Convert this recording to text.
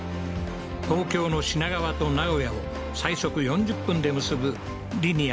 東京の品川と名古屋を最速４０分で結ぶリニア